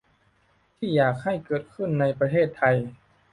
ที่อยากให้เกิดขึ้นในประเทศไทย